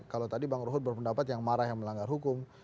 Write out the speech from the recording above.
kalau tadi bang ruhut berpendapat yang marah yang melanggar hukum